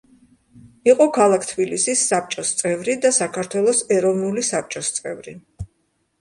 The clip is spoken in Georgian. იყო ქალაქ თბილისი საბჭოს წევრი და საქართველოს ეროვნული საბჭოს წევრი.